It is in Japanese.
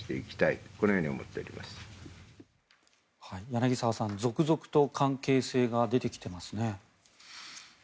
柳澤さん、続々と関係性が出てきていますね。